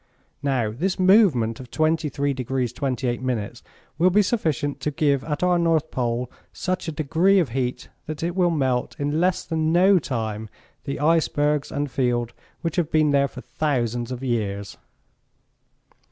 Now this movement of 23 degrees 28 minutes will be sufficient to give at our North Pole such a degree of heat that it will melt in less than no time the icebergs and field which have been there for thousands of years."